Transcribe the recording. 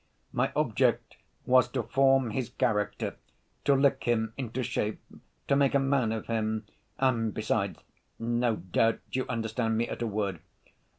My object was to form his character, to lick him into shape, to make a man of him ... and besides ... no doubt, you understand me at a word.